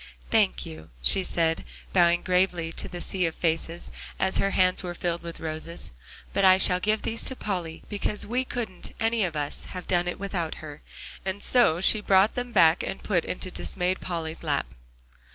"Thank you," she said, bowing gravely to the sea of faces, as her hands were filled with roses, "but I shall give these to Polly, because we couldn't any of us have done it without her." And so she brought them back to put into dismayed Polly's lap.